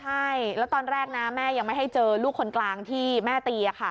ใช่แล้วตอนแรกนะแม่ยังไม่ให้เจอลูกคนกลางที่แม่ตีค่ะ